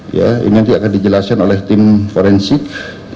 ya ini nanti akan dijelaskan oleh tim forensik